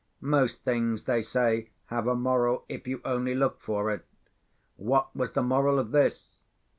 Most things they say have a moral, if you only look for it. What was the moral of this?